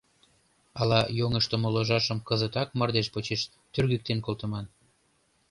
Ала йоҥыштымо ложашым кызытак мардеж почеш тӱргыктен колтыман?